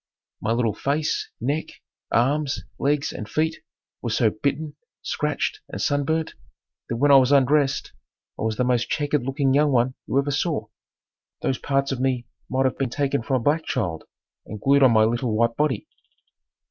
My little face, neck, arms, legs and feet were so bitten, scratched and sunburned that when I was undressed I was the most checkered looking young one you ever saw. Those parts of me might have been taken from a black child and glued on my little white body.